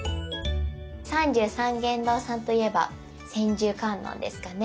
三十三間堂さんといえば千手観音ですかね。